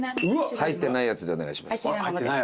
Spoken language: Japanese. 入ってないやつでお願いします。